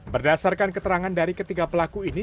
berdasarkan keterangan dari ketiga pelaku ini